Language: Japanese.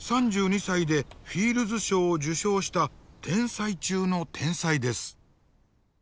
３２歳でフィールズ賞を受賞した天才中の天才です。